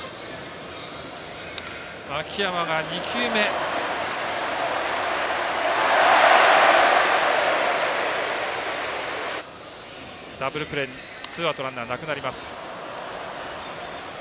秋山が２球目ダブルプレー、ツーアウトランナーなくなります。